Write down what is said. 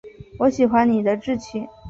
我喜欢你的志气